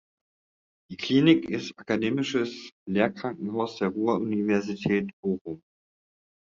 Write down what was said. Die Klinik ist akademisches Lehrkrankenhaus der Ruhr-Universität Bochum.